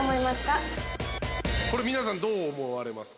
これ皆さんどう思われますか？